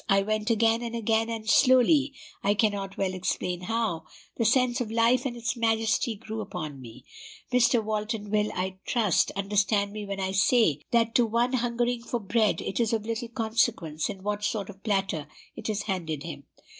I went again, and again; and slowly, I cannot well explain how, the sense of life and its majesty grew upon me. Mr. Walton will, I trust, understand me when I say, that to one hungering for bread, it is of little consequence in what sort of platter it is handed him.